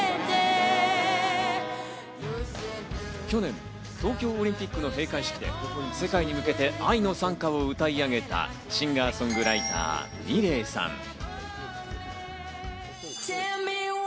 去年、東京オリンピックの閉会式で世界に向けて『愛の讃歌』を歌い上げたシンガー・ソングライター、ｍｉｌｅｔさん。